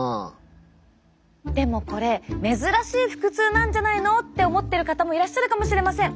でもこれ珍しい腹痛なんじゃないのって思ってる方もいらっしゃるかもしれません。